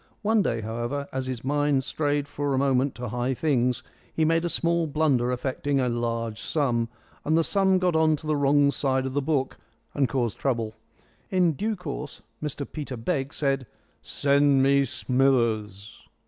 One day, however, as his mind strayed for a moment to high things, he made a small blunder affecting a large sum, and the sum got on to the wrong side of the book and caused trouble. In due course Mr Peter Begg said, "Send me Smithers."